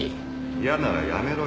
「嫌ならやめろよ」